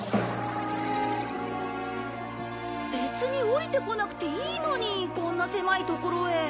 別に降りてこなくていいのにこんな狭い所へ。